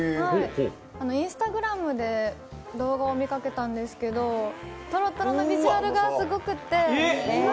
Ｉｎｓｔａｇｒａｍで動画を見かけたんですけど、とろとろのビジュアルがすごくって。